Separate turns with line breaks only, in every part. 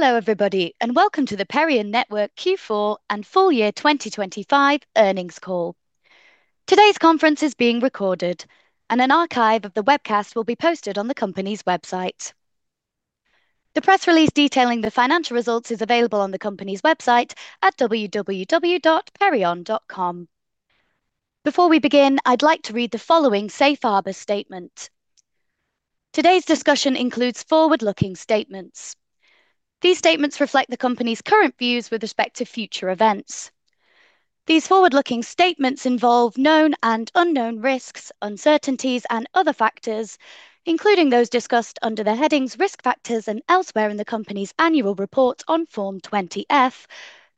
Hello everybody, and Welcome to the Perion Network Q4 and Full Year 2025 Earnings Call. Today's conference is being recorded, and an archive of the webcast will be posted on the company's website. The press release detailing the financial results is available on the company's website at www.perion.com. Before we begin, I'd like to read the following safe harbor statement. Today's discussion includes forward-looking statements. These statements reflect the company's current views with respect to future events. These forward-looking statements involve known and unknown risks, uncertainties, and other factors, including those discussed under the headings Risk Factors and elsewhere in the company's annual report on Form 20-F,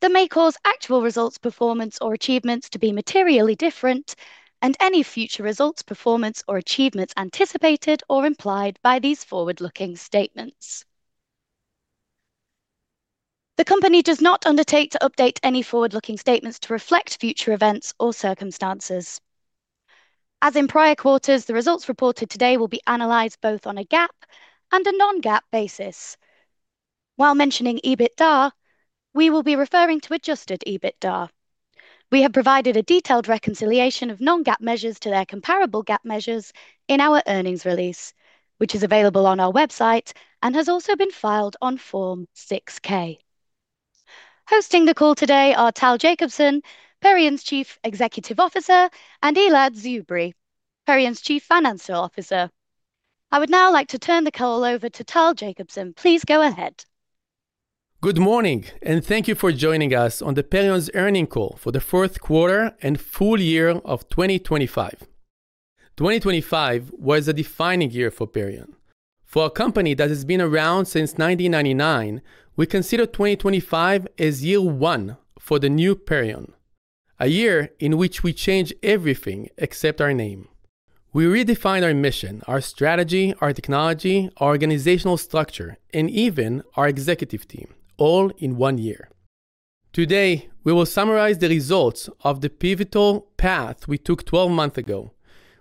that may cause actual results, performance, or achievements to be materially different, and any future results, performance, or achievements anticipated or implied by these forward-looking statements. The company does not undertake to update any forward-looking statements to reflect future events or circumstances. As in prior quarters, the results reported today will be analyzed both on a GAAP and a non-GAAP basis. While mentioning EBITDA, we will be referring to Adjusted EBITDA. We have provided a detailed reconciliation of non-GAAP measures to their comparable GAAP measures in our earnings release, which is available on our website and has also been filed on Form 6-K. Hosting the call today are Tal Jacobson, Perion's Chief Executive Officer, and Elad Tzubery, Perion's Chief Financial Officer. I would now like to turn the call over to Tal Jacobson. Please, go ahead.
Good morning, and thank you for joining us on the Perion's earnings call for the fourth quarter and full year of 2025. 2025 was a defining year for Perion. For a company that has been around since 1999, we consider 2025 as year one for the new Perion, a year in which we changed everything except our name. We redefined our mission, our strategy, our technology, our organizational structure, and even our executive team, all in one year. Today, we will summarize the results of the pivotal path we took 12 months ago.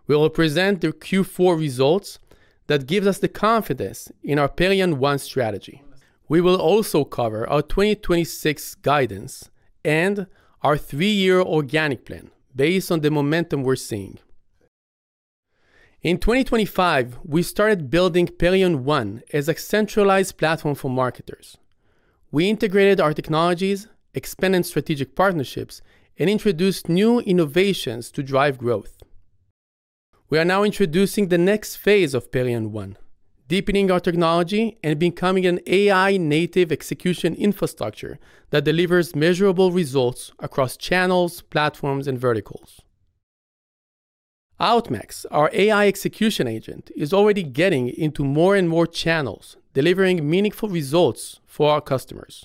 We will present the Q4 results that gives us the confidence in our Perion One strategy. We will also cover our 2026 guidance and our three-year organic plan based on the momentum we're seeing. In 2025, we started building Perion One as a centralized platform for marketers. We integrated our technologies, expanded strategic partnerships, and introduced new innovations to drive growth. We are now introducing the next phase of Perion One, deepening our technology and becoming an AI-native execution infrastructure that delivers measurable results across channels, platforms, and verticals. Outmax, our AI execution agent, is already getting into more and more channels, delivering meaningful results for our customers.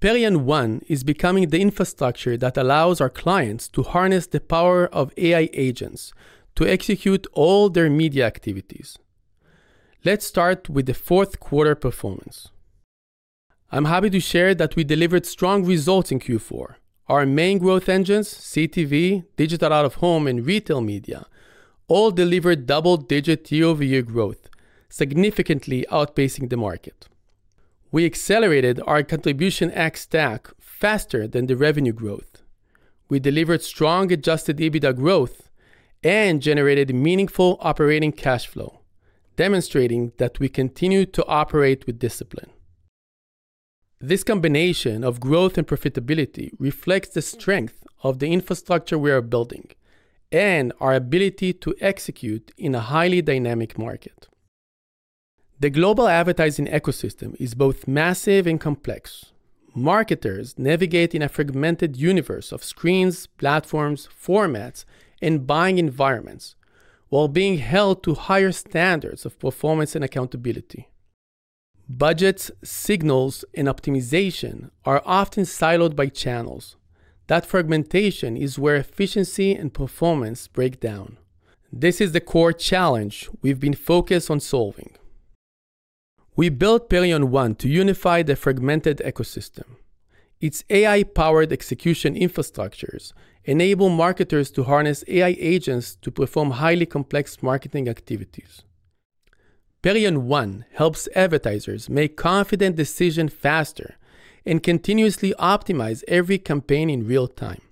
Perion One is becoming the infrastructure that allows our clients to harness the power of AI agents to execute all their media activities. Let's start with the fourth quarter performance. I'm happy to share that we delivered strong results in Q4. Our main growth engines, CTV, Digital Out-of-Home, and Retail Media, all delivered double-digit year-over-year growth, significantly outpacing the market. We accelerated our Contribution ex-TAC faster than the revenue growth. We delivered strong Adjusted EBITDA growth and generated meaningful operating cash flow, demonstrating that we continue to operate with discipline. This combination of growth and profitability reflects the strength of the infrastructure we are building and our ability to execute in a highly dynamic market. The global advertising ecosystem is both massive and complex. Marketers navigate in a fragmented universe of screens, platforms, formats, and buying environments while being held to higher standards of performance and accountability. Budgets, signals, and optimization are often siloed by channels. That fragmentation is where efficiency and performance break down. This is the core challenge we've been focused on solving. We built Perion One to unify the fragmented ecosystem. Its AI-powered execution infrastructures enable marketers to harness AI agents to perform highly complex marketing activities. Perion One helps advertisers make confident decision faster and continuously optimize every campaign in real time.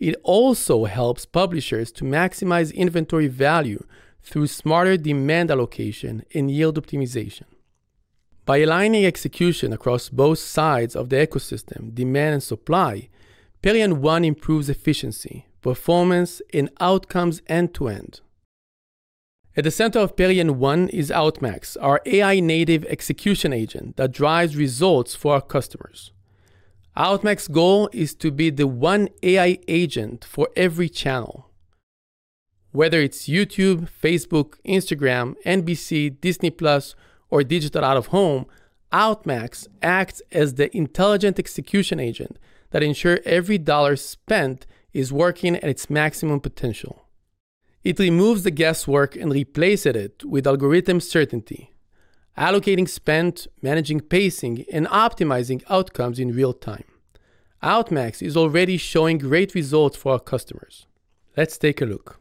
It also helps publishers to maximize inventory value through smarter demand allocation and yield optimization. By aligning execution across both sides of the ecosystem, demand and supply, Perion One improves efficiency, performance, and outcomes end-to-end. At the center of Perion One is Outmax, our AI-native execution agent that drives results for our customers. Outmax's goal is to be the one AI agent for every channel. Whether it's YouTube, Facebook, Instagram, NBC, Disney Plus, or Digital Out-of-Home, Outmax acts as the intelligent execution agent that ensure every dollar spent is working at its maximum potential. It removes the guesswork and replaces it with algorithm certainty, allocating spend, managing pacing, and optimizing outcomes in real time. Outmax is already showing great results for our customers. Let's take a look.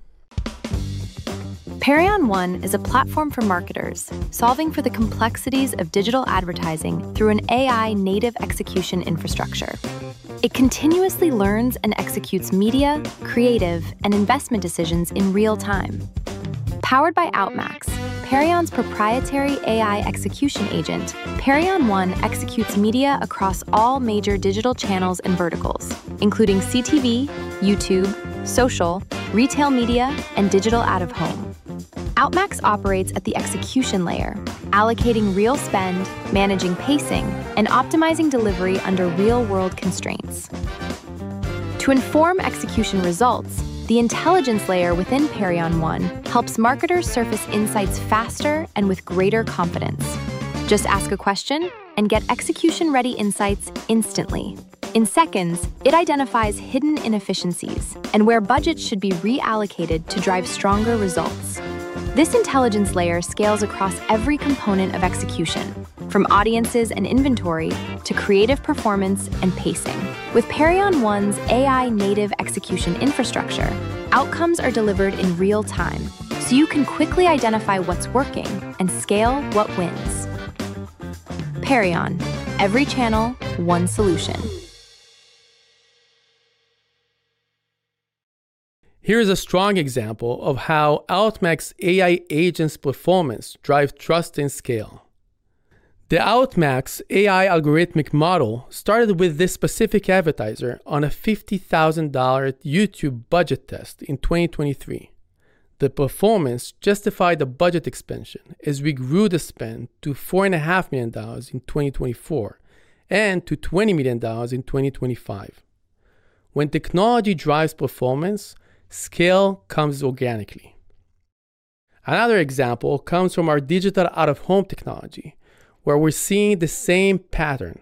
Perion One is a platform for marketers, solving for the complexities of digital advertising through an AI-native execution infrastructure. It continuously learns and executes media, creative, and investment decisions in real time. Powered by Outmax, Perion's proprietary AI execution agent, Perion One executes media across all major digital channels and verticals, including CTV, YouTube, social, Retail Media, and Digital Out-of-Home. Outmax operates at the execution layer, allocating real spend, managing pacing, and optimizing delivery under real-world constraints. To inform execution results, the intelligence layer within Perion One helps marketers surface insights faster and with greater confidence. Just ask a question and get execution-ready insights instantly. In seconds, it identifies hidden inefficiencies and where budgets should be reallocated to drive stronger results. This intelligence layer scales across every component of execution, from audiences and inventory to creative performance and pacing. With Perion One's AI-native execution infrastructure, outcomes are delivered in real time, so you can quickly identify what's working and scale what wins. Perion: every channel, one solution.
Here is a strong example of how Outmax AI agent's performance drive trust and scale. The Outmax AI algorithmic model started with this specific advertiser on a $50,000 YouTube budget test in 2023. The performance justified the budget expansion as we grew the spend to $4.5 million in 2024, and to $20 million in 2025. When technology drives performance, scale comes organically. Another example comes from our Digital Out-of-Home technology, where we're seeing the same pattern.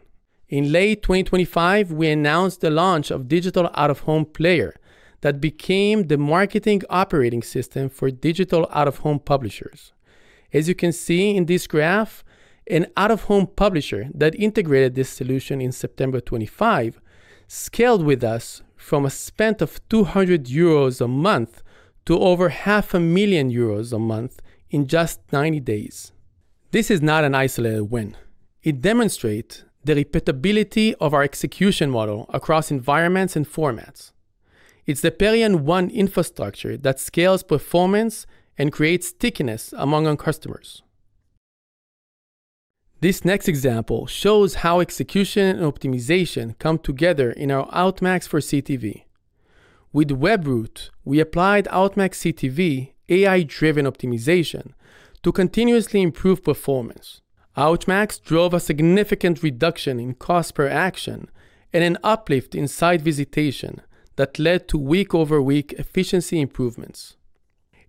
In late 2025, we announced the launch of Digital Out-of-Home player that became the marketing operating system for Digital Out-of-Home publishers. As you can see in this graph, an out-of-home publisher that integrated this solution in September 2025, scaled with us from a spend of 200 euros a month to over 500,000 euros a month in just 90 days. This is not an isolated win. It demonstrate the repeatability of our execution model across environments and formats. It's the Perion One infrastructure that scales performance and creates stickiness among our customers. This next example shows how execution and optimization come together in our Outmax for CTV. With Webroot, we applied Outmax CTV AI-driven optimization to continuously improve performance. Outmax drove a significant reduction in cost per action and an uplift in site visitation that led to week-over-week efficiency improvements.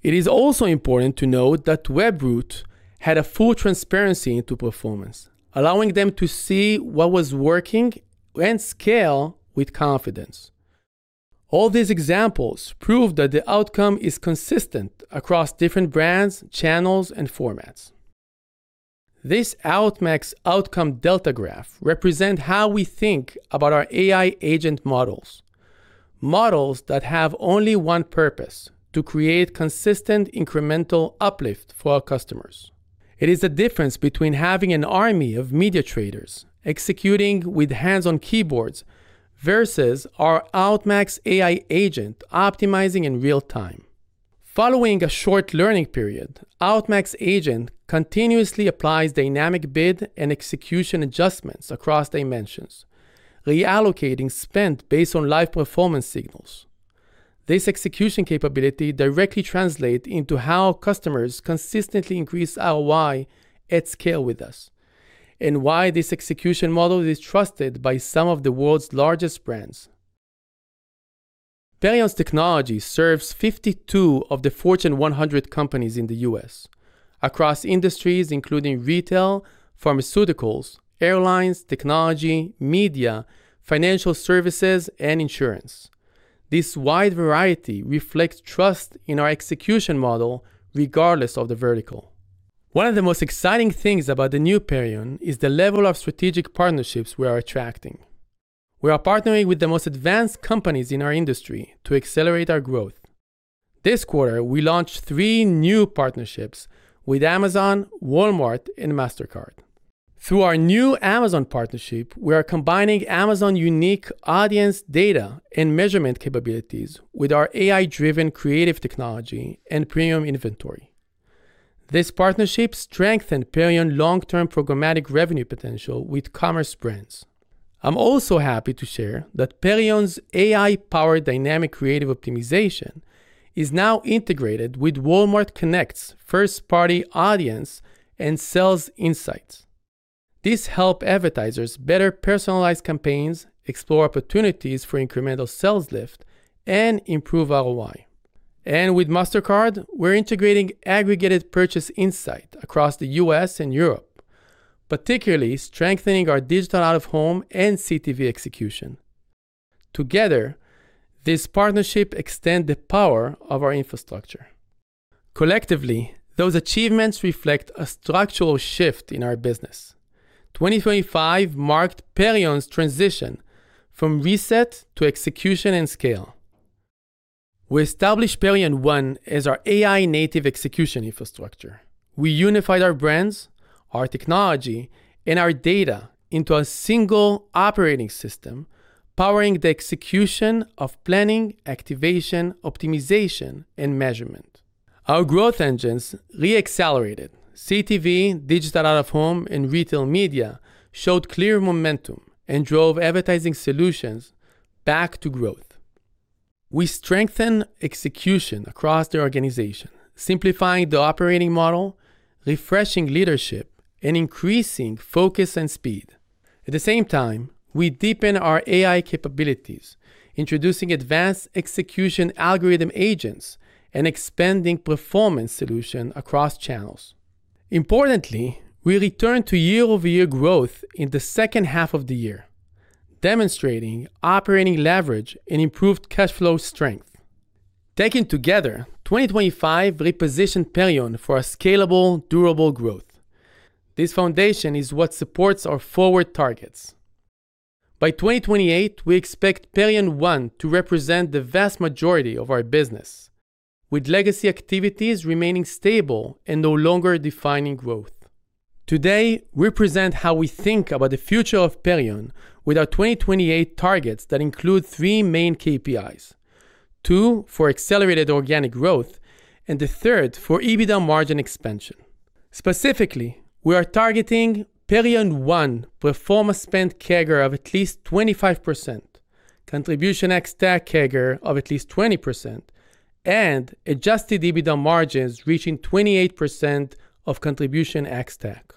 It is also important to note that Webroot had a full transparency into performance, allowing them to see what was working and scale with confidence. All these examples prove that the outcome is consistent across different brands, channels, and formats. This Outmax outcome delta graph represent how we think about our AI agent models, models that have only one purpose: to create consistent incremental uplift for our customers. It is the difference between having an army of media traders executing with hands-on keyboards versus our Outmax AI agent optimizing in real time. Following a short learning period, Outmax agent continuously applies dynamic bid and execution adjustments across dimensions, reallocating spend based on live performance signals. This execution capability directly translates into how customers consistently increase ROI at scale with us, and why this execution model is trusted by some of the world's largest brands. Perion's technology serves 52 of the Fortune 100 companies in the U.S., across industries including retail, pharmaceuticals, airlines, technology, media, financial services, and insurance. This wide variety reflects trust in our execution model, regardless of the vertical. One of the most exciting things about the new Perion is the level of strategic partnerships we are attracting. We are partnering with the most advanced companies in our industry to accelerate our growth. This quarter, we launched three new partnerships with Amazon, Walmart, and Mastercard. Through our new Amazon partnership, we are combining Amazon unique audience data and measurement capabilities with our AI-driven creative technology and premium inventory. This partnership strengthen Perion long-term programmatic revenue potential with commerce brands. I'm also happy to share that Perion's AI-powered dynamic creative optimization is now integrated with Walmart Connect's first-party audience and sales insights. This help advertisers better personalize campaigns, explore opportunities for incremental sales lift, and improve ROI. And with Mastercard, we're integrating aggregated purchase insight across the U.S. and Europe, particularly strengthening our Digital Out-of-Home and CTV execution. Together, this partnership extend the power of our infrastructure. Collectively, those achievements reflect a structural shift in our business. 2025 marked Perion's transition from reset to execution and scale. We established Perion One as our AI-native execution infrastructure. We unified our brands, our technology, and our data into a single operating system, powering the execution of planning, activation, optimization, and measurement. Our growth engines re-accelerated. CTV, Digital Out-of-Home, and Retail Media showed clear momentum and drove Advertising Solutions back to growth. We strengthened execution across the organization, simplifying the operating model, refreshing leadership, and increasing focus and speed. At the same time, we deepened our AI capabilities, introducing advanced execution algorithm agents and expanding performance solution across channels. Importantly, we returned to year-over-year growth in the second half of the year, demonstrating operating leverage and improved cash flow strength. Taken together, 2025 repositioned Perion for a scalable, durable growth. This foundation is what supports our forward targets. By 2028, we expect Perion One to represent the vast majority of our business, with legacy activities remaining stable and no longer defining growth. Today, we present how we think about the future of Perion with our 2028 targets that include three main KPIs: two for accelerated organic growth and the third for EBITDA margin expansion. Specifically, we are targeting Perion One performance spend CAGR of at least 25%, Contribution ex-TAC CAGR of at least 20%, and Adjusted EBITDA margins reaching 28% of Contribution ex-TAC.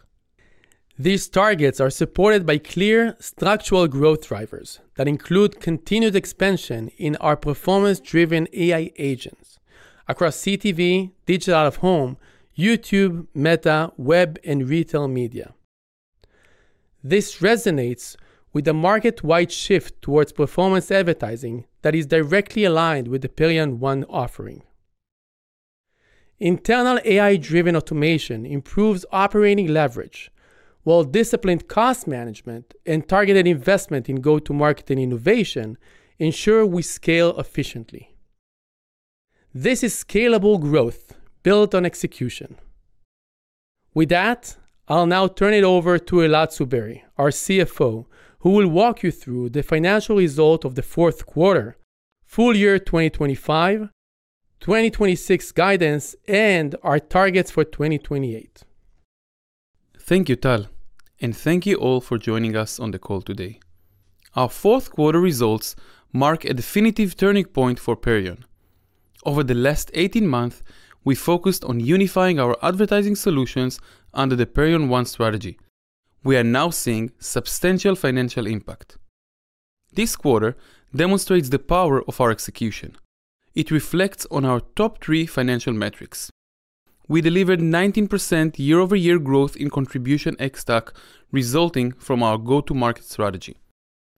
These targets are supported by clear structural growth drivers that include continued expansion in our performance-driven AI agents across CTV, Digital Out-of-Home, YouTube, Meta, Web, and Retail Media. This resonates with the market-wide shift towards performance advertising that is directly aligned with the Perion One offering. Internal AI-driven automation improves operating leverage, while disciplined cost management and targeted investment in go-to-market and innovation ensure we scale efficiently. This is scalable growth built on execution. With that, I'll now turn it over to Elad Tzubery, our CFO, who will walk you through the financial result of the fourth quarter, full year 2025, 2026 guidance, and our targets for 2028.
Thank you, Tal, and thank you all for joining us on the call today. Our fourth quarter results mark a definitive turning point for Perion. Over the last 18 months, we focused on unifying our Advertising Solutions under the Perion One strategy. We are now seeing substantial financial impact. This quarter demonstrates the power of our execution. It reflects on our top three financial metrics. We delivered 19% year-over-year growth in Contribution ex-TAC, resulting from our go-to-market strategy.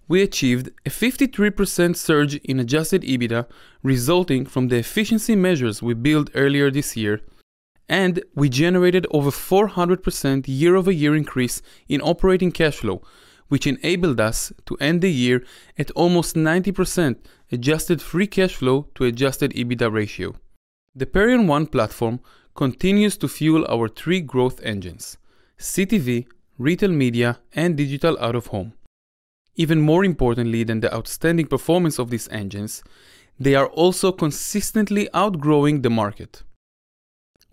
We achieved a 53% surge in Adjusted EBITDA, resulting from the efficiency measures we built earlier this year, and we generated over 400% year-over-year increase in operating cash flow, which enabled us to end the year at almost 90% Adjusted Free Cash Flow to Adjusted EBITDA ratio. The Perion One platform continues to fuel our three growth engines: CTV, Retail Media, and Digital Out-of-Home. Even more importantly than the outstanding performance of these engines, they are also consistently outgrowing the market.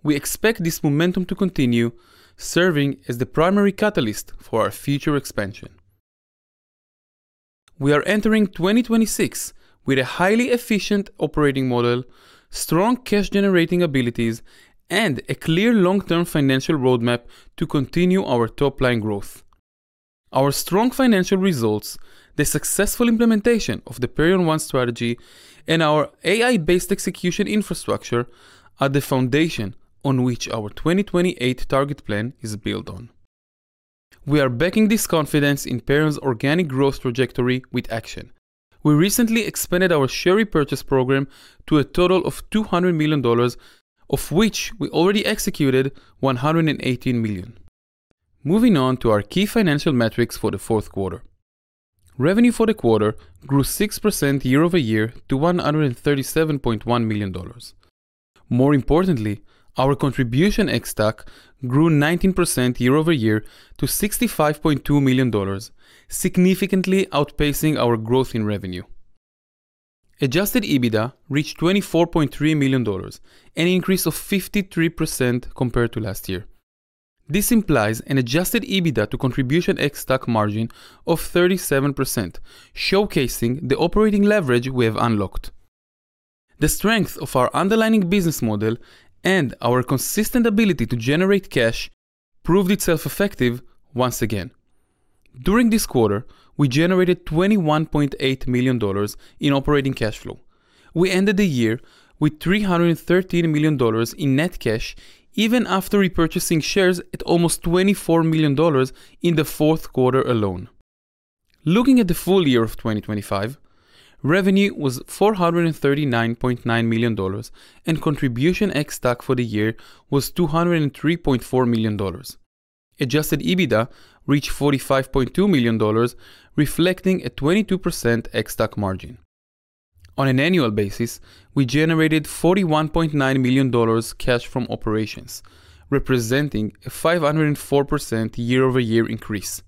We expect this momentum to continue, serving as the primary catalyst for our future expansion. We are entering 2026 with a highly efficient operating model, strong cash-generating abilities, and a clear long-term financial roadmap to continue our top-line growth. Our strong financial results, the successful implementation of the Perion One strategy, and our AI-based execution infrastructure are the foundation on which our 2028 target plan is built on. We are backing this confidence in Perion's organic growth trajectory with action. We recently expanded our share repurchase program to a total of $200 million, of which we already executed $118 million. Moving on to our key financial metrics for the fourth quarter. Revenue for the quarter grew 6% year-over-year to $137.1 million. More importantly, our Contribution ex-TAC grew 19% year-over-year to $65.2 million, significantly outpacing our growth in revenue. Adjusted EBITDA reached $24.3 million, an increase of 53% compared to last year. This implies an Adjusted EBITDA to Contribution ex-TAC margin of 37%, showcasing the operating leverage we have unlocked. The strength of our underlying business model and our consistent ability to generate cash proved itself effective once again. During this quarter, we generated $21.8 million in operating cash flow. We ended the year with $313 million in net cash, even after repurchasing shares at almost $24 million in the fourth quarter alone. Looking at the full year of 2025, revenue was $439.9 million, and Contribution ex-TAC for the year was $203.4 million. Adjusted EBITDA reached $45.2 million, reflecting a 22% ex-TAC margin. On an annual basis, we generated $41.9 million cash from operations, representing a 504% year-over-year increase.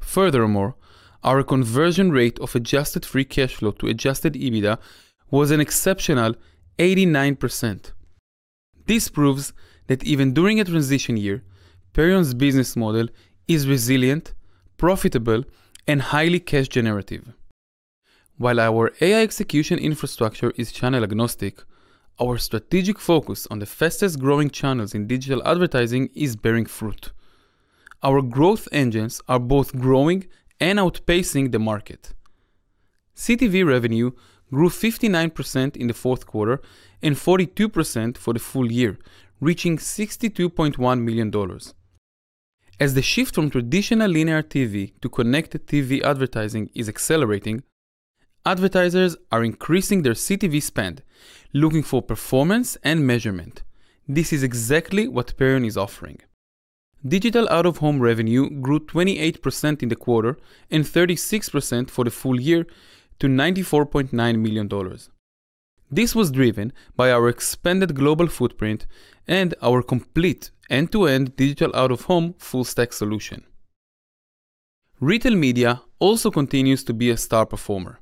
Furthermore, our conversion rate of Adjusted Free Cash Flow to Adjusted EBITDA was an exceptional 89%. This proves that even during a transition year, Perion's business model is resilient, profitable, and highly cash generative. While our AI execution infrastructure is channel-agnostic, our strategic focus on the fastest-growing channels in digital advertising is bearing fruit. Our growth engines are both growing and outpacing the market. CTV revenue grew 59% in the fourth quarter and 42% for the full year, reaching $62.1 million. As the shift from traditional linear TV to connected TV advertising is accelerating, advertisers are increasing their CTV spend, looking for performance and measurement. This is exactly what Perion is offering. Digital out-of-home revenue grew 28% in the quarter and 36% for the full year to $94.9 million. This was driven by our expanded global footprint and our complete end-to-end Digital Out-of-Home full-stack solution. Retail Media also continues to be a star performer.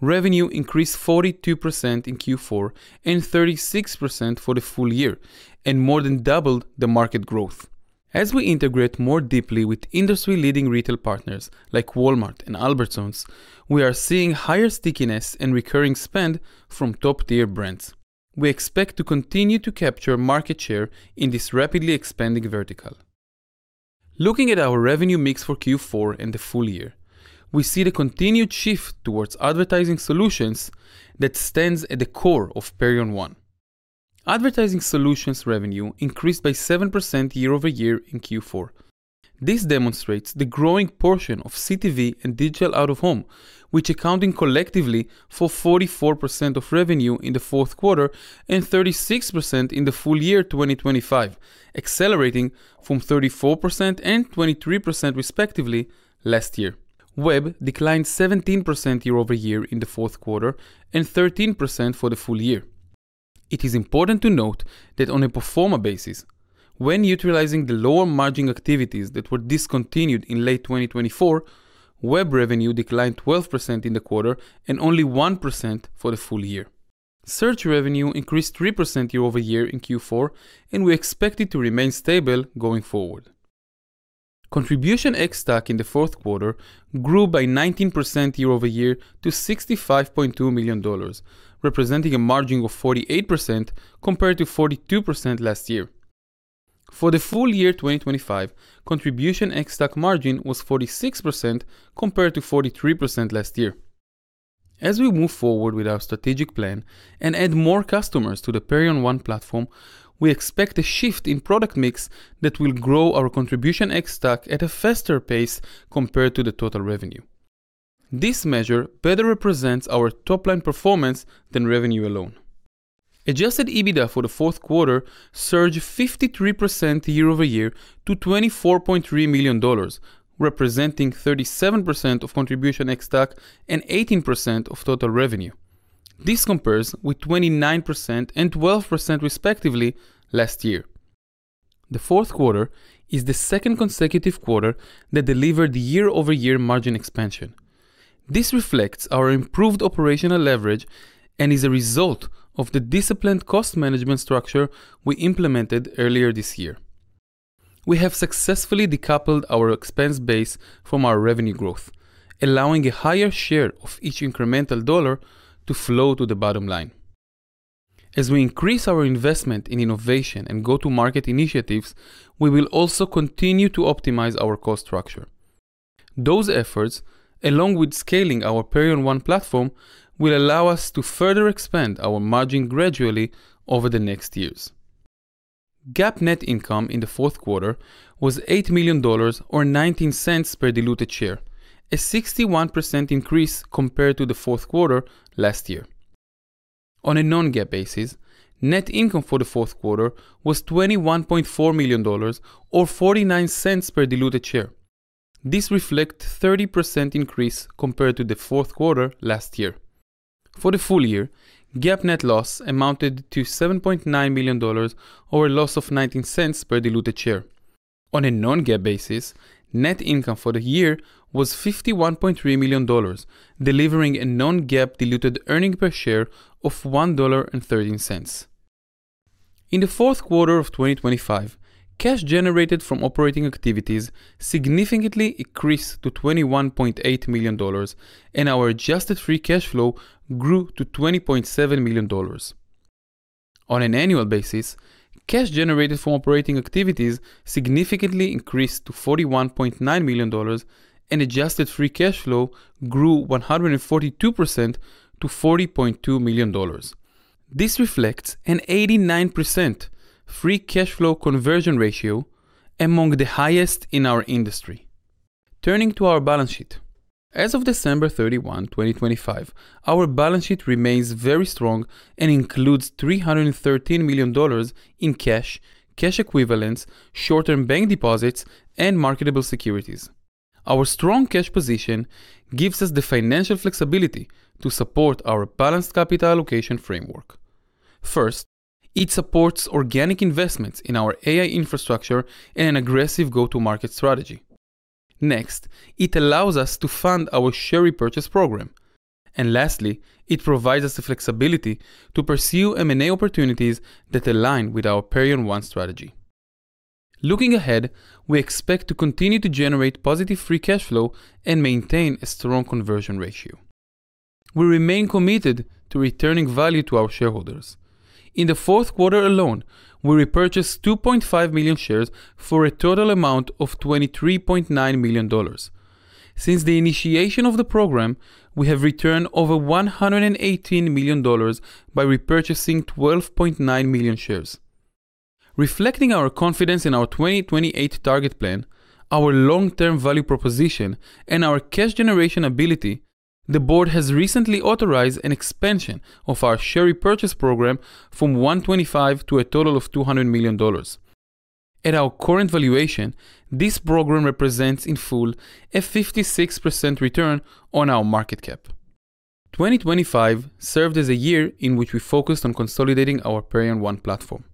Revenue increased 42% in Q4 and 36% for the full year, and more than doubled the market growth. As we integrate more deeply with industry-leading retail partners like Walmart and Albertsons, we are seeing higher stickiness and recurring spend from top-tier brands. We expect to continue to capture market share in this rapidly expanding vertical. Looking at our revenue mix for Q4 and the full year, we see the continued shift towards Advertising Solutions that stands at the core of Perion One. Advertising Solutions revenue increased by 7% year-over-year in Q4. This demonstrates the growing portion of CTV and Digital Out-of-Home, which accounting collectively for 44% of revenue in the fourth quarter and 36% in the full year 2025, accelerating from 34% and 23% respectively last year. Web declined 17% year-over-year in the fourth quarter and 13% for the full year. It is important to note that on a pro forma basis, when utilizing the lower margin activities that were discontinued in late 2024, Web revenue declined 12% in the quarter and only 1% for the full year. Search revenue increased 3% year-over-year in Q4, and we expect it to remain stable going forward. Contribution ex-TAC in the fourth quarter grew by 19% year-over-year to $65.2 million, representing a margin of 48% compared to 42% last year. For the full year 2025, Contribution ex-TAC margin was 46% compared to 43% last year. As we move forward with our strategic plan and add more customers to the Perion One platform, we expect a shift in product mix that will grow our Contribution ex-TAC at a faster pace compared to the total revenue. This measure better represents our top-line performance than revenue alone. Adjusted EBITDA for the fourth quarter surged 53% year-over-year to $24.3 million, representing 37% of Contribution ex-TAC and 18% of total revenue. This compares with 29% and 12% respectively last year. The fourth quarter is the second consecutive quarter that delivered year-over-year margin expansion. This reflects our improved operational leverage and is a result of the disciplined cost management structure we implemented earlier this year. We have successfully decoupled our expense base from our revenue growth, allowing a higher share of each incremental dollar to flow to the bottom line. As we increase our investment in innovation and go-to-market initiatives, we will also continue to optimize our cost structure. Those efforts, along with scaling our Perion One platform, will allow us to further expand our margin gradually over the next years. GAAP net income in the fourth quarter was $8 million or $0.19 per diluted share, a 61% increase compared to the fourth quarter last year. On a non-GAAP basis, net income for the fourth quarter was $21.4 million or $0.49 per diluted share. This reflects 30% increase compared to the fourth quarter last year. For the full year, GAAP net loss amounted to $7.9 million or a loss of $0.19 per diluted share. On a non-GAAP basis, net income for the year was $51.3 million, delivering a non-GAAP diluted earnings per share of $1.13. In the fourth quarter of 2025, cash generated from operating activities significantly increased to $21.8 million, and our Adjusted Free Cash Flow grew to $20.7 million. On an annual basis, cash generated from operating activities significantly increased to $41.9 million, and Adjusted Free Cash Flow grew 142% to $40.2 million. This reflects an 89% free cash flow conversion ratio, among the highest in our industry. Turning to our balance sheet. As of December 31, 2025, our balance sheet remains very strong and includes $313 million in cash, cash equivalents, short-term bank deposits, and marketable securities. Our strong cash position gives us the financial flexibility to support our balanced capital allocation framework. First, it supports organic investments in our AI infrastructure and an aggressive go-to-market strategy. Next, it allows us to fund our share repurchase program. And lastly, it provides us the flexibility to pursue M&A opportunities that align with our Perion One strategy. Looking ahead, we expect to continue to generate positive free cash flow and maintain a strong conversion ratio. We remain committed to returning value to our shareholders. In the fourth quarter alone, we repurchased 2.5 million shares for a total amount of $23.9 million. Since the initiation of the program, we have returned over $118 million by repurchasing 12.9 million shares. Reflecting our confidence in our 2028 target plan, our long-term value proposition, and our cash generation ability, the board has recently authorized an expansion of our share repurchase program from $125 million to a total of $200 million. At our current valuation, this program represents, in full, a 56% return on our market cap. 2025 served as a year in which we focused on consolidating our Perion One platform.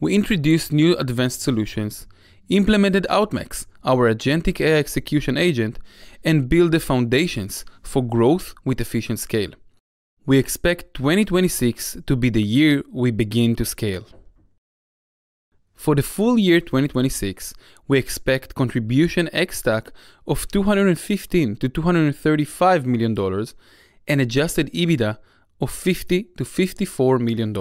We introduced new advanced solutions, implemented Outmax, our agentic AI execution agent, and built the foundations for growth with efficient scale. We expect 2026 to be the year we begin to scale. For the full year 2026, we expect Contribution ex-TAC of $215 million-$235 million and Adjusted EBITDA of $50 million-$54 million.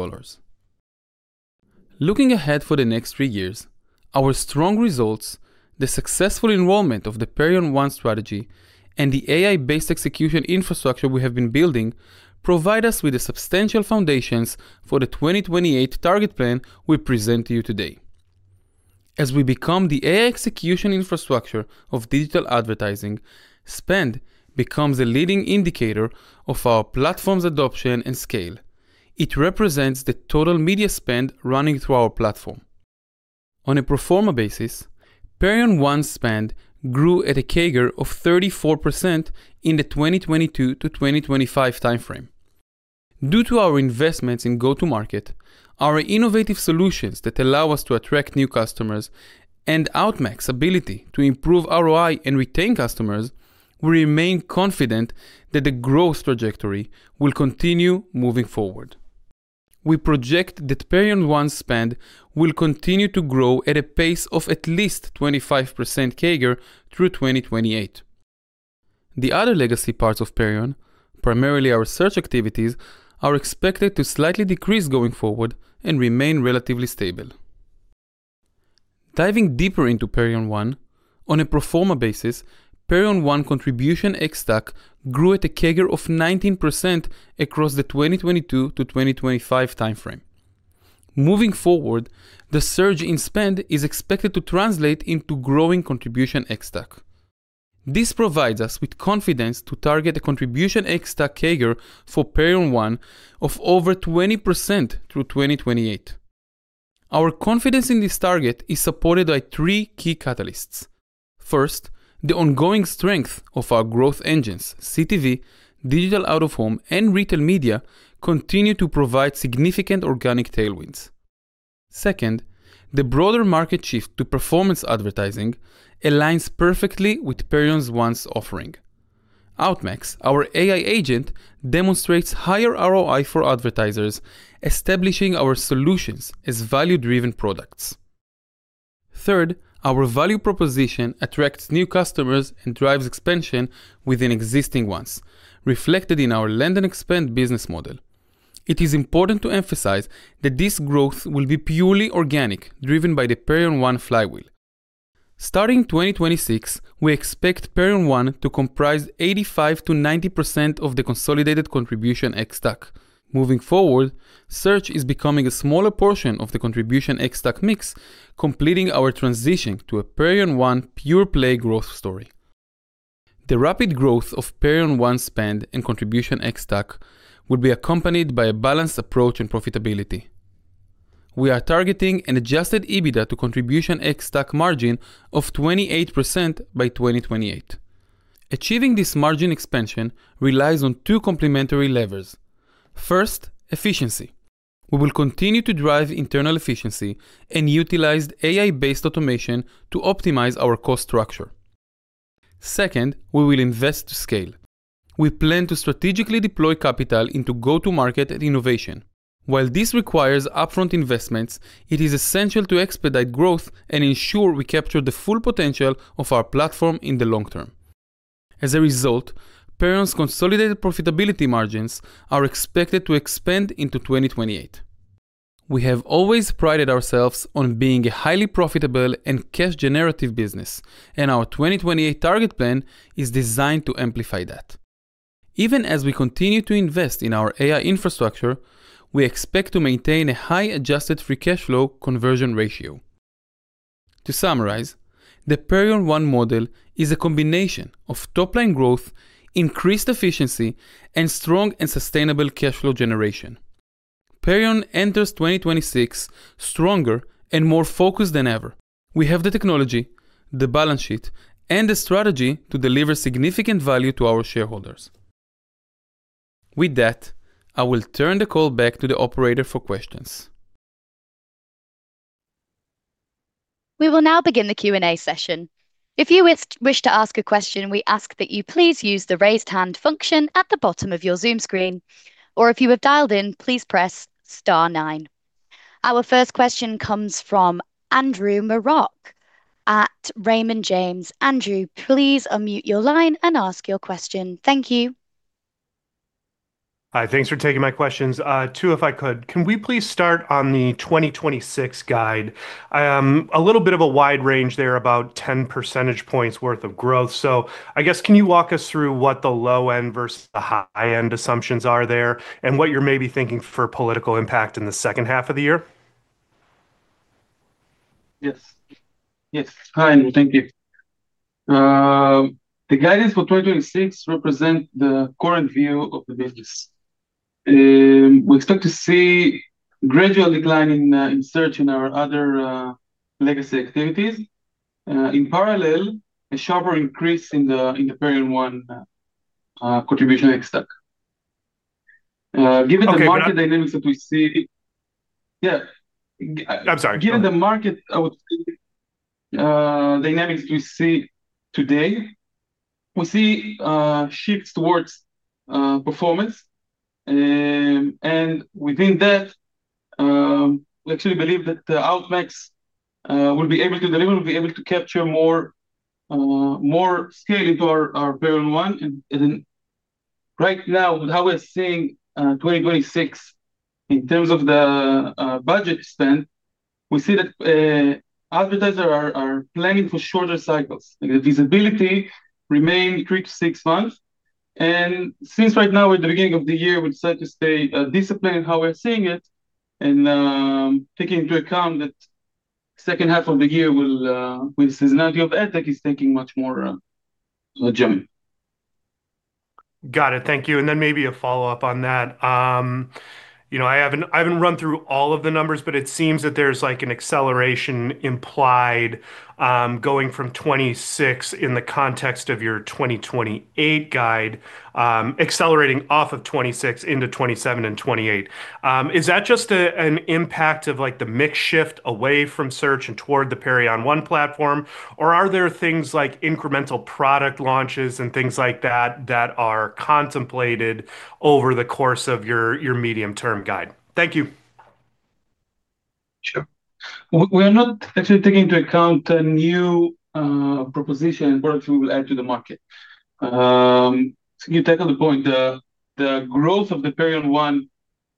Looking ahead for the next three years, our strong results, the successful enrollment of the Perion One strategy, and the AI-based execution infrastructure we have been building provide us with the substantial foundations for the 2028 target plan we present to you today. As we become the AI execution infrastructure of digital advertising, spend becomes a leading indicator of our platform's adoption and scale. It represents the total media spend running through our platform. On a pro forma basis, Perion One's spend grew at a CAGR of 34% in the 2022 to 2025 timeframe. Due to our investments in go-to-market, our innovative solutions that allow us to attract new customers, and Outmax's ability to improve ROI and retain customers, we remain confident that the growth trajectory will continue moving forward. We project that Perion One's spend will continue to grow at a pace of at least 25% CAGR through 2028. The other legacy parts of Perion, primarily our search activities, are expected to slightly decrease going forward and remain relatively stable. Diving deeper into Perion One, on a pro forma basis, Perion One's Contribution ex-TAC grew at a CAGR of 19% across the 2022 to 2025 timeframe. Moving forward, the surge in spend is expected to translate into growing Contribution ex-TAC. This provides us with confidence to target a Contribution ex-TAC CAGR for Perion One of over 20% through 2028. Our confidence in this target is supported by three key catalysts. First, the ongoing strength of our growth engines, CTV, Digital Out-of-Home, and Retail Media, continue to provide significant organic tailwinds. Second, the broader market shift to performance advertising aligns perfectly with Perion One's offering. Outmax, our AI agent, demonstrates higher ROI for advertisers, establishing our solutions as value-driven products. Third, our value proposition attracts new customers and drives expansion within existing ones, reflected in our land and expand business model. It is important to emphasize that this growth will be purely organic, driven by the Perion One flywheel. Starting in 2026, we expect Perion One to comprise 85%-90% of the consolidated Contribution ex-TAC. Moving forward, search is becoming a smaller portion of the Contribution ex-TAC mix, completing our transition to a Perion One pure-play growth story. The rapid growth of Perion One spend and Contribution ex-TAC will be accompanied by a balanced approach and profitability. We are targeting an Adjusted EBITDA to Contribution ex-TAC margin of 28% by 2028. Achieving this margin expansion relies on two complementary levers. First, efficiency. We will continue to drive internal efficiency and utilize AI-based automation to optimize our cost structure. Second, we will invest to scale. We plan to strategically deploy capital into go-to-market and innovation. While this requires upfront investments, it is essential to expedite growth and ensure we capture the full potential of our platform in the long term. As a result, Perion's consolidated profitability margins are expected to expand into 2028. We have always prided ourselves on being a highly profitable and cash-generative business, and our 2028 target plan is designed to amplify that. Even as we continue to invest in our AI infrastructure, we expect to maintain a high Adjusted Free Cash Flow conversion ratio. To summarize, the Perion One model is a combination of top-line growth, increased efficiency, and strong and sustainable cash flow generation. Perion enters 2026 stronger and more focused than ever. We have the technology, the balance sheet, and the strategy to deliver significant value to our shareholders. With that, I will turn the call back to the operator for questions.
We will now begin the Q&A session. If you wish to ask a question, we ask that you please use the Raise Hand function at the bottom of your Zoom screen, or if you have dialed in, please press star nine. Our first question comes from Andrew Marok at Raymond James. Andrew, please unmute your line and ask your question. Thank you.
Hi, thanks for taking my questions. Two, if I could. Can we please start on the 2026 guide? A little bit of a wide range there, about 10 percentage points worth of growth. So I guess, can you walk us through what the low end versus the high-end assumptions are there, and what you're maybe thinking for political impact in the second half of the year?
Yes. Yes. Hi, Andrew. Thank you. The guidance for 2026 represent the current view of the business. We expect to see gradual decline in, in search in our other, legacy activities. In parallel, a sharper increase in the, in the Perion One, contribution we expect. Given the market-
Okay.
dynamics that we see... Yeah.
I'm sorry.
Given the market dynamics we see today, we see shifts towards performance. And within that, we actually believe that the Outmax will be able to deliver, will be able to capture more scale into our Perion One. And right now, how we're seeing 2026 in terms of the budget spend, we see that advertisers are planning for shorter cycles. The visibility remain three to six months, and since right now we're at the beginning of the year, we decide to stay disciplined in how we're seeing it, and taking into account that second half of the year will with seasonality of ad tech is thinking much more general.
Got it. Thank you. And then maybe a follow-up on that. You know, I haven't run through all of the numbers, but it seems that there's, like, an acceleration implied, going from 2026 in the context of your 2028 guide, accelerating off of 2026 into 2027 and 2028. Is that just an impact of, like, the mix shift away from search and toward the Perion One platform? Or are there things like incremental product launches and things like that, that are contemplated over the course of your medium-term guide? Thank you.
Sure. We are not actually taking into account a new proposition and products we will add to the market. So you tackle the point, the growth of the Perion One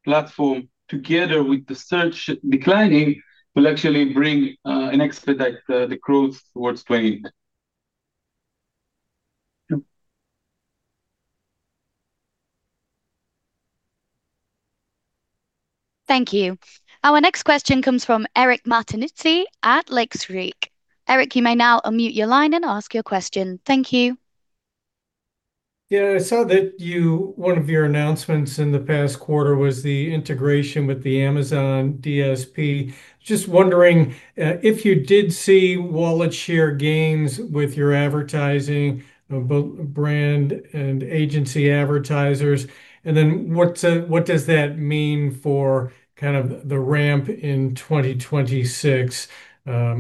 platform, together with the search declining, will actually bring and expedite the growth towards 28. Yeah.
Thank you. Our next question comes from Eric Martinuzzi at Lake Street. Eric, you may now unmute your line and ask your question. Thank you.
Yeah, I saw that one of your announcements in the past quarter was the integration with the Amazon DSP. Just wondering if you did see wallet share gains with your advertising, of both brand and agency advertisers. And then, what does that mean for kind of the ramp in 2026? Because...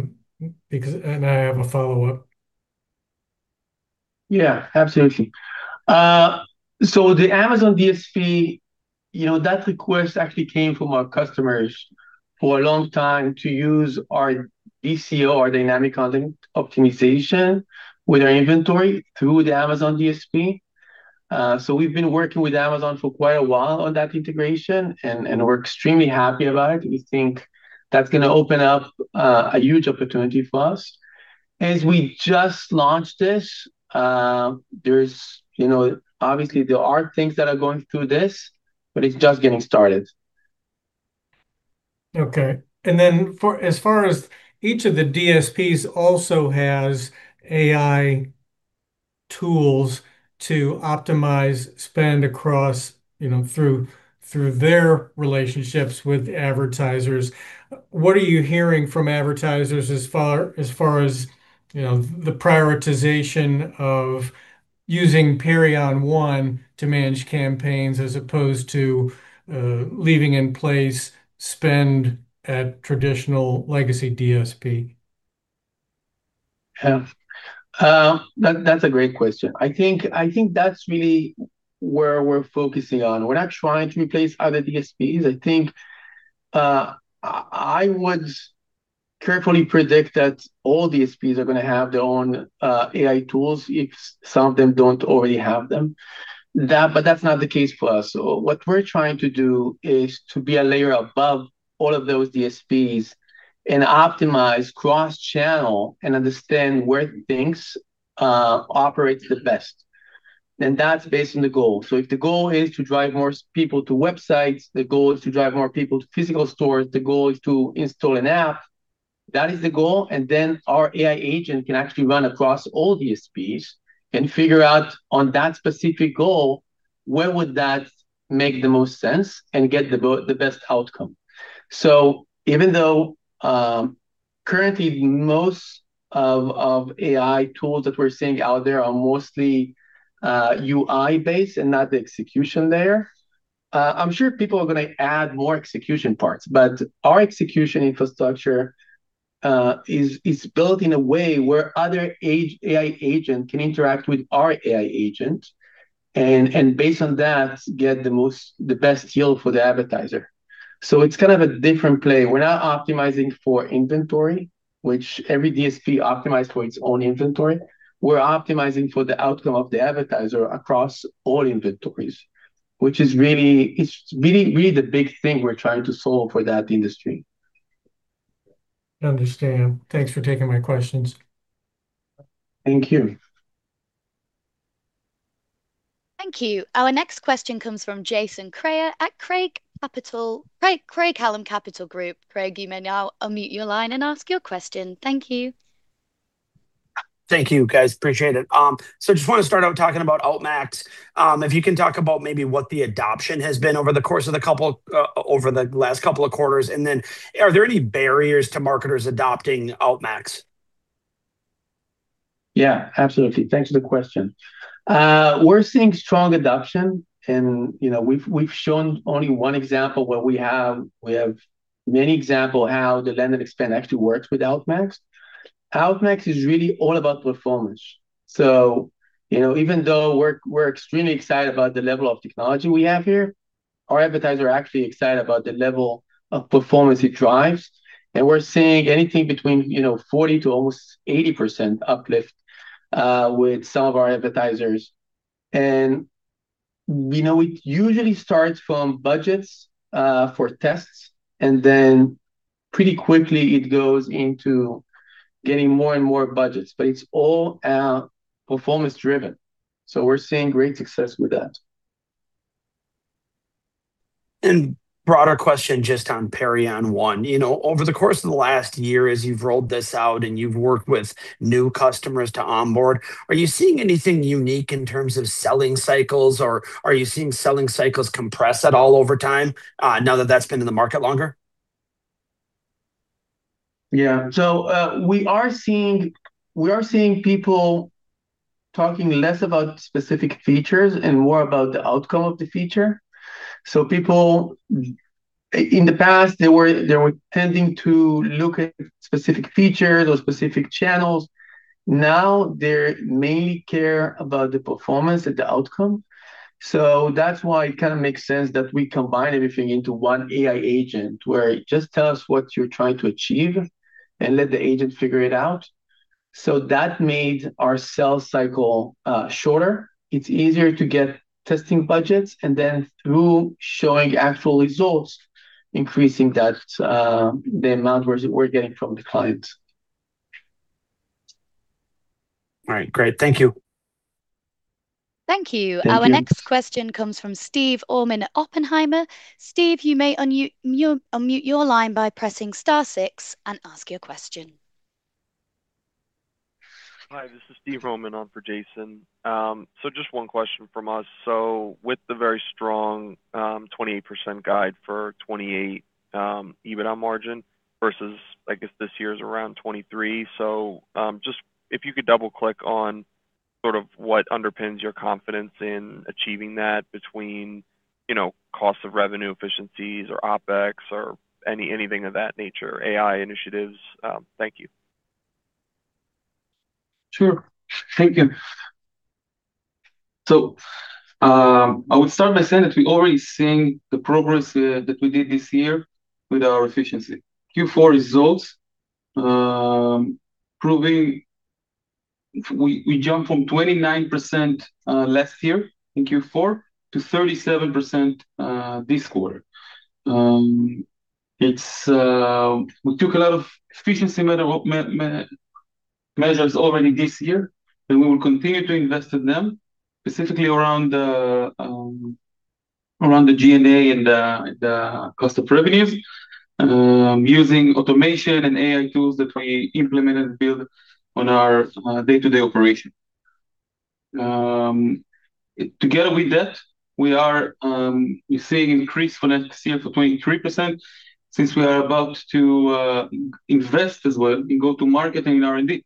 And I have a follow-up.
Yeah, absolutely. So the Amazon DSP, you know, that request actually came from our customers for a long time to use our DCO, our Dynamic Content Optimization, with our inventory through the Amazon DSP. So we've been working with Amazon for quite a while on that integration, and, and we're extremely happy about it. We think that's gonna open up a huge opportunity for us. As we just launched this, there's, you know, obviously there are things that are going through this, but it's just getting started.
Okay. And then, as far as each of the DSPs also has AI tools to optimize spend across, you know, through their relationships with advertisers, what are you hearing from advertisers as far as, you know, the prioritization of using Perion One to manage campaigns as opposed to leaving in place spend at traditional legacy DSP?
Yeah. That, that's a great question. I think, I think that's really where we're focusing on. We're not trying to replace other DSPs. I think, I would carefully predict that all DSPs are gonna have their own, AI tools, if some of them don't already have them. That. But that's not the case for us. So what we're trying to do is to be a layer above all of those DSPs and optimize cross-channel, and understand where things operates the best, and that's based on the goal. So if the goal is to drive more people to websites, the goal is to drive more people to physical stores, the goal is to install an app, that is the goal, and then our AI agent can actually run across all DSPs and figure out, on that specific goal, where would that make the most sense and get the best outcome. So even though, currently most of AI tools that we're seeing out there are mostly UI-based and not the execution layer, I'm sure people are gonna add more execution parts. But our execution infrastructure is built in a way where other AI agent can interact with our AI agent and, based on that, get the best yield for the advertiser. So it's kind of a different play. We're not optimizing for inventory, which every DSP optimize for its own inventory. We're optimizing for the outcome of the advertiser across all inventories, which is really, it's really, really the big thing we're trying to solve for that industry.
Understood. Thanks for taking my questions.
Thank you.
Thank you. Our next question comes from Jason Kreyer at Craig Capital- Craig, Craig-Hallum Capital Group. Craig, you may now unmute your line and ask your question. Thank you.
Thank you, guys. Appreciate it. Just wanna start out talking about Outmax. If you can talk about maybe what the adoption has been over the last couple of quarters, and then are there any barriers to marketers adopting Outmax?
Yeah, absolutely. Thanks for the question. We're seeing strong adoption, and, you know, we've shown only one example where we have—we have many example how the land and expand actually works with Outmax. Outmax is really all about performance. So, you know, even though we're extremely excited about the level of technology we have here, our advertisers are actually excited about the level of performance it drives, and we're seeing anything between, you know, 40% to almost 80% uplift with some of our advertisers. And we know it usually starts from budgets for tests, and then pretty quickly it goes into getting more and more budgets, but it's all performance driven. So we're seeing great success with that.
Broader question just on Perion One. You know, over the course of the last year, as you've rolled this out and you've worked with new customers to onboard, are you seeing anything unique in terms of selling cycles, or are you seeing selling cycles compress at all over time, now that that's been in the market longer?
Yeah. So, we are seeing people talking less about specific features and more about the outcome of the feature. So people, in the past, they were tending to look at specific features or specific channels. Now, they mainly care about the performance and the outcome. So that's why it kind of makes sense that we combine everything into one AI agent, where just tell us what you're trying to achieve and let the agent figure it out. So that made our sales cycle shorter. It's easier to get testing budgets, and then through showing actual results, increasing that the amount we're getting from the clients.
All right, great. Thank you.
Thank you.
Thank you.
Our next question comes from Steve Orman at Oppenheimer. Steve, you may unmute your line by pressing star six and ask your question.
Hi, this is Steve Orman on for Jason. So just one question from us. So with the very strong 28% guide for 2028 EBITDA margin versus, I guess, this year is around 23%. So just if you could double-click on sort of what underpins your confidence in achieving that between, you know, cost of revenue efficiencies or OpEx or anything of that nature, AI initiatives, thank you.
Sure. Thank you. So, I would start by saying that we're already seeing the progress that we did this year with our efficiency. Q4 results proving we jumped from 29% last year in Q4 to 37% this quarter. It's... We took a lot of efficiency measures already this year, and we will continue to invest in them, specifically around the G&A and the cost of revenues, using automation and AI tools that we implemented and build on our day-to-day operation. Together with that, we are seeing increase for next year for 23%, since we are about to invest as well in go-to market and R&D.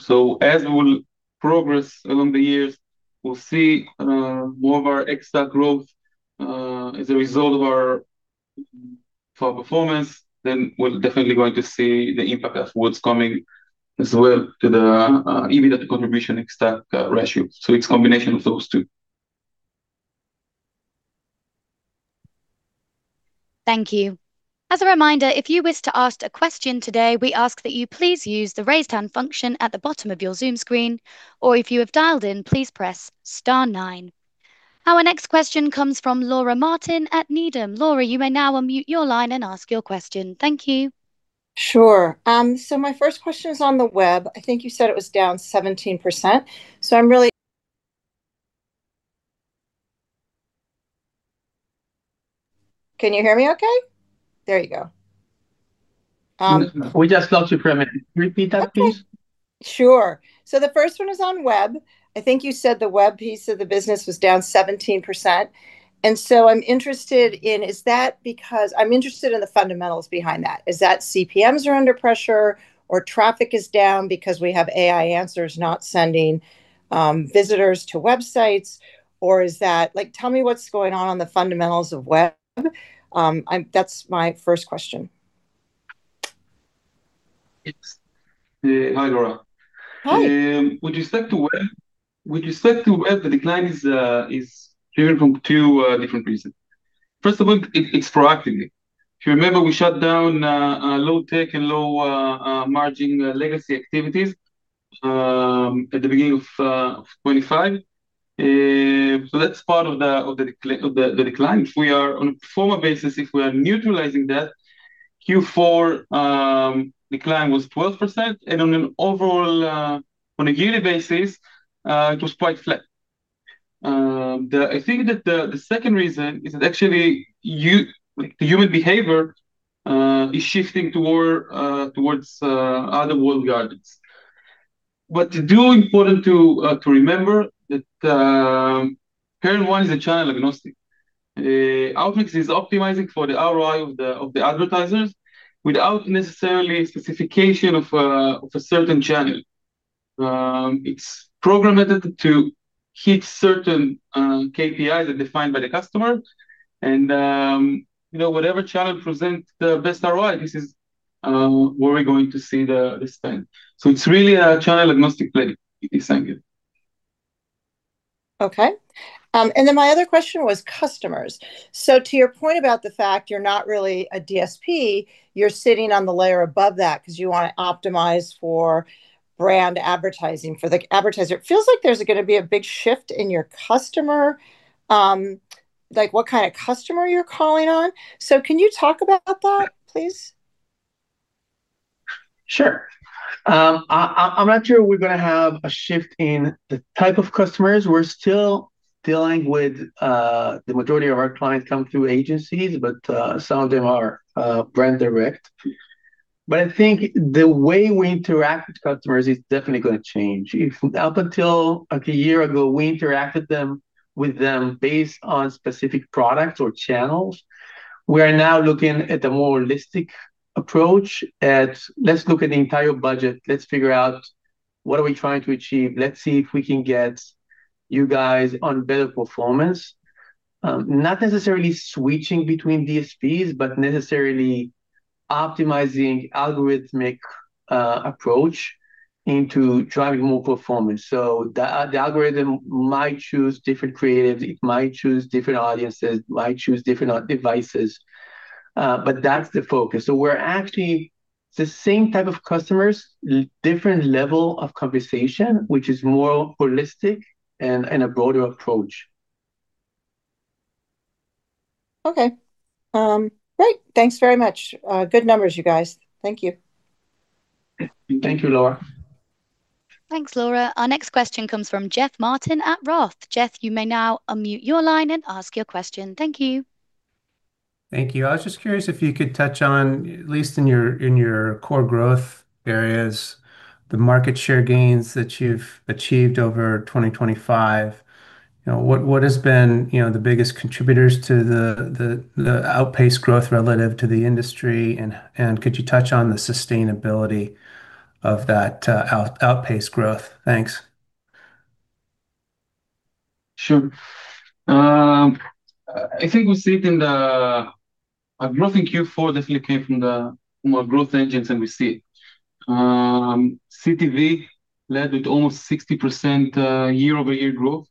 So as we will progress along the years, we'll see more of our extra growth as a result of our performance, then we're definitely going to see the impact of what's coming as well to the EBITDA contribution extra ratio. So it's a combination of those two.
Thank you. As a reminder, if you wish to ask a question today, we ask that you please use the Raise Hand function at the bottom of your Zoom screen... Or if you have dialed in, please press star nine. Our next question comes from Laura Martin at Needham. Laura, you may now unmute your line and ask your question. Thank you.
Sure. So my first question is on the Web. I think you said it was down 17%, so I'm really... Can you hear me okay? There you go.
We just lost you for a minute. Repeat that, please.
Okay, sure. So the first one is on Web. I think you said the Web piece of the business was down 17%, and so I'm interested in, is that because I'm interested in the fundamentals behind that. Is that CPMs are under pressure, or traffic is down because we have AI answers not sending visitors to websites? Or is that... Like, tell me what's going on on the fundamentals of Web. That's my first question.
Yes. Hi, Laura.
Hi.
With respect to Web, the decline is driven from two different reasons. First of all, it's proactively. If you remember, we shut down low tech and low margin legacy activities at the beginning of 2025. So that's part of the decline. We are, on a pro forma basis, if we are neutralizing that, Q4 decline was 12%, and on an overall yearly basis, it was quite flat. I think that the second reason is that actually like, the human behavior is shifting toward towards other walled gardens. But it is important to remember that Perion One is a channel agnostic. Outmax is optimizing for the ROI of the, of the advertisers, without necessarily specification of a, of a certain channel. It's programmatically to hit certain KPIs that are defined by the customer, and, you know, whatever channel presents the best ROI, this is, where we're going to see the, the spend. So it's really a channel-agnostic play. Thank you.
Okay. And then my other question was customers. So to your point about the fact you're not really a DSP, you're sitting on the layer above that 'cause you want to optimize for brand advertising, for the advertiser. It feels like there's gonna be a big shift in your customer, like what kind of customer you're calling on. So can you talk about that, please?
Sure. I'm not sure we're gonna have a shift in the type of customers. We're still dealing with the majority of our clients come through agencies, but some of them are brand direct. But I think the way we interact with customers is definitely gonna change. If up until, like, a year ago, we interacted them, with them based on specific products or channels, we are now looking at a more holistic approach, at let's look at the entire budget, let's figure out what are we trying to achieve? Let's see if we can get you guys on better performance. Not necessarily switching between DSPs, but necessarily optimizing algorithmic approach into driving more performance. So the algorithm might choose different creatives, it might choose different audiences, might choose different devices. But that's the focus. We're actually the same type of customers, different level of conversation, which is more holistic and a broader approach.
Okay. Great. Thanks very much. Good numbers, you guys. Thank you.
Thank you, Laura.
Thanks, Laura. Our next question comes from Jeff Martin at Roth. Jeff, you may now unmute your line and ask your question. Thank you.
Thank you. I was just curious if you could touch on, at least in your core growth areas, the market share gains that you've achieved over 2025. You know, what has been, you know, the biggest contributors to the outpaced growth relative to the industry? And could you touch on the sustainability of that outpaced growth? Thanks.
Sure. I think we see it in the, our growth in Q4 definitely came from the more growth engines than we see. CTV led with almost 60%, year-over-year growth,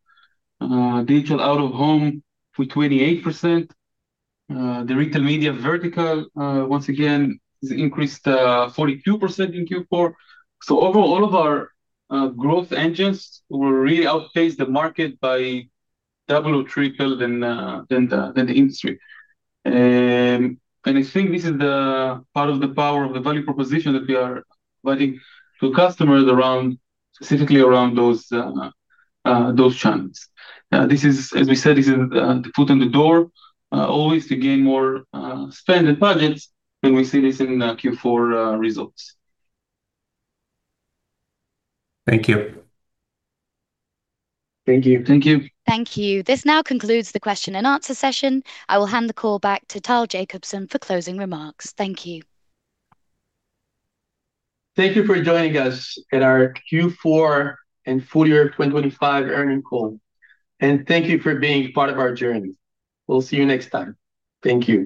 Digital Out-of-Home with 28%. The Retail Media vertical, once again, has increased, 42% in Q4. So overall, all of our, growth engines were really outpaced the market by double or triple than, than the, than the industry. And I think this is the part of the power of the value proposition that we are providing to customers around, specifically around those, those channels. This is, as we said, this is, the foot in the door, always to gain more, spend and budgets, and we see this in the Q4, results.
Thank you.
Thank you.
Thank you.
Thank you. This now concludes the question and answer session. I will hand the call back to Tal Jacobson for closing remarks. Thank you.
Thank you for joining us at our Q4 and full year 2025 earnings call. Thank you for being part of our journey. We'll see you next time. Thank you.